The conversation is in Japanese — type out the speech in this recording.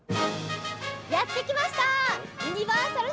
「やって来ました！」